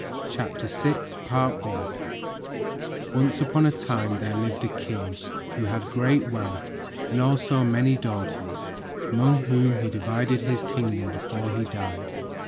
CHAPTER VI THE BEGGAR PRINCESS Once upon a time there lived a king who had great wealth and also many daughters, among whom he divided his kingdom before he died.